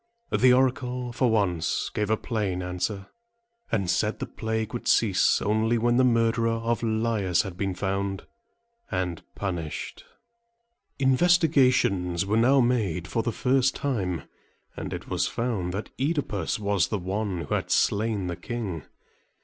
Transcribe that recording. The oracle for once gave a plain answer, and said that the plague would cease only when the murderer of Laius had been found and punished. Investigations were now made for the first time, and it was found that OEdipus was the one who had slain the king.